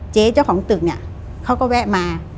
เจ๊เจ้าของตึกเนี่ยเขาก็แวะมา